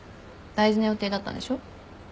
大事な予定だったんでしょ？